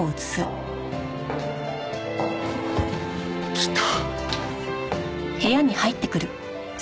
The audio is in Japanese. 来た！